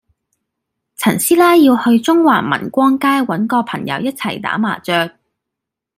陳師奶要去中環民光街搵個朋友一齊打麻雀